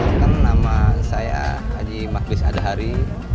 selamat datang di nama saya haji makhlis adhari